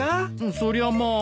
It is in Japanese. そりゃまあ。